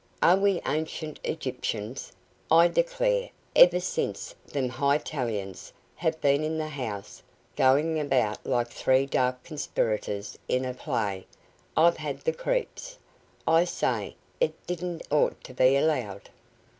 Are we ancient Egyptians? I declare, ever since them Hightalians have been in the house, going about like three dark conspirators in a play, I've had the creeps. I say, it didn't ought to be allowed."